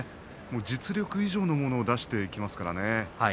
実力以上のものを出していきますから。